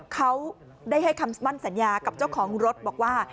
เขาได้ให้คำมั่นสัญญากับเจ้าของรถบอกว่า